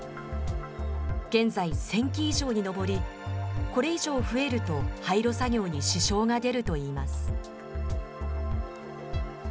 現在１０００基以上に上り、これ以上増えると廃炉作業に支障が出るといいます。